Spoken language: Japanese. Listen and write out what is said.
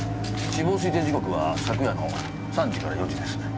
死亡推定時刻は昨夜の３時から４時です。